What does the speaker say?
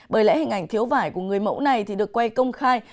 bởi lẽ hình ảnh thiếu vải của người mẫu này được quay công khai